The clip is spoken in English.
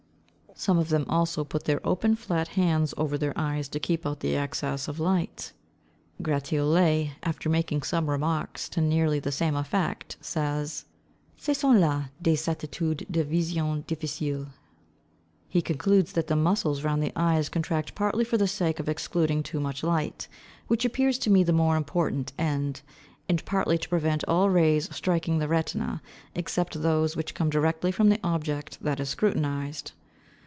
Some of them, also, put their open, flat hands over their eyes to keep out the excess of light. Gratiolet, after making some remarks to nearly the same effect, says, "Ce sont là des attitudes de vision difficile." He concludes that the muscles round the eyes contract partly for the sake of excluding too much light (which appears to me the more important end), and partly to prevent all rays striking the retina, except those which come direct from the object that is scrutinized.